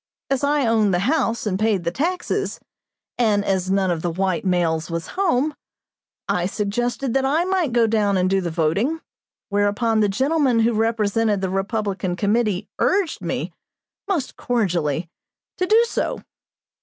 As I owned the house and paid the taxes, and as none of the white males was home, I suggested that I might go down and do the voting, whereupon the gentlemen who represented the Republican committee urged me, most cordially, to do so.